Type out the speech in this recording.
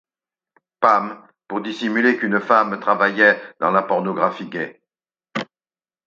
Pam, pour dissimuler qu'une femme travaillait dans la pornographie gay.